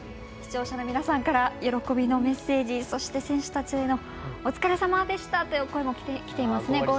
視聴者の皆さんから喜びのメッセージそして選手へのお疲れさまでしたという声もきていますね。